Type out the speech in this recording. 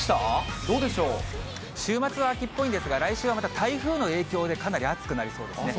週末は秋っぽいんですが、来週は台風の影響でかなり暑くなりそうですね。